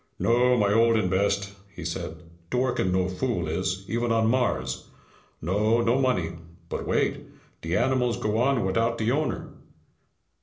"No, my old and best," he said. "Dworken no fool is, even on Mars. No, no money. But wait! De animals go on without the owner.